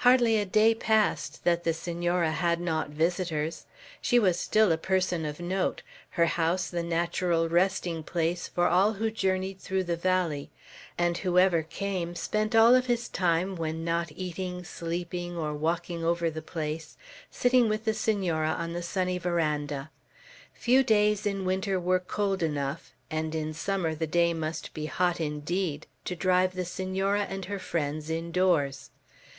Hardly a day passed that the Senora had not visitors. She was still a person of note; her house the natural resting place for all who journeyed through the valley; and whoever came, spent all of his time, when not eating, sleeping, or walking over the place, sitting with the Senora on the sunny veranda. Few days in winter were cold enough, and in summer the day must be hot indeed to drive the Senora and her friends indoors.